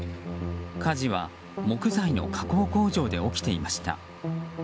火事は木材の加工工場で起きていました。